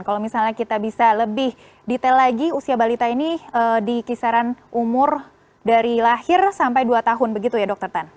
kalau misalnya kita bisa lebih detail lagi usia balita ini di kisaran umur dari lahir sampai dua tahun begitu ya dokter tan